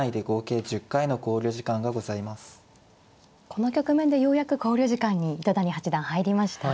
この局面でようやく考慮時間に糸谷八段入りました。